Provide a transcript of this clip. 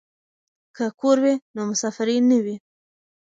که کور وي نو مسافري نه وي.